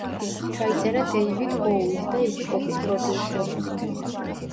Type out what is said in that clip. ჩაიწერა დეივიდ ბოუის და იგი პოპის პროდიუსერობით.